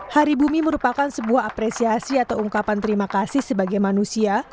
hari bumi merupakan sebuah apresiasi atau ungkapan terima kasih sebagai manusia